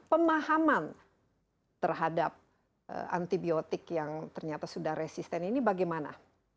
pemahaman terhadap antibiotik yang ternyata sudah resisten ini bagaimana